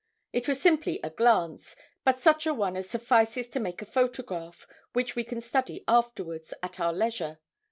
It was simply a glance, but such a one as suffices to make a photograph, which we can study afterwards, at our leisure.